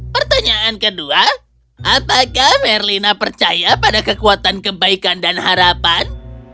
pertanyaan kedua apakah merlina percaya pada kekuatan kebaikan dan harapan